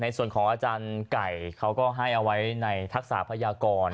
ของอาจารย์ไก่เขาก็ให้เอาไว้ในทักษะพยากร